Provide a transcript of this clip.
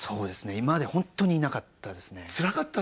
今までホンットにいなかったですね